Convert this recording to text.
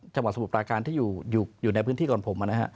จังหวะสมบุปราการที่อยู่ในพื้นที่ก่อนผม